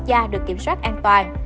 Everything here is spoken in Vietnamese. quốc gia được kiểm soát an toàn